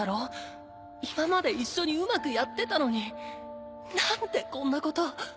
今まで一緒にうまくやってたのに何でこんなこと。